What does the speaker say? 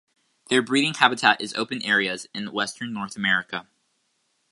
Their breeding habitat is open areas in western North America.